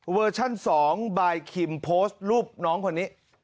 ชั่น๒บายคิมโพสต์รูปน้องคนนี้